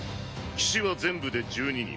騎士は全部で１２人。